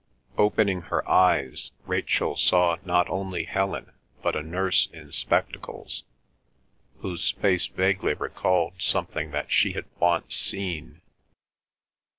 Opening her eyes, Rachel saw not only Helen but a nurse in spectacles, whose face vaguely recalled something that she had once seen.